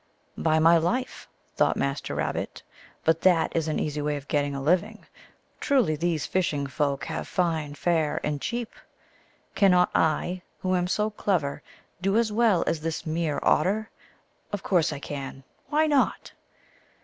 " By my life," thought Master Rabbit, " but that is an easy way of getting a living ! Truly these fish ing folk have fine fare, and cheap ! Cannot I, who am so clever, do as well as this mere Otter ? Of course I can. Why not